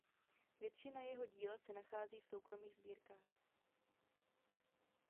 Většina jeho díla se nachází v soukromých sbírkách.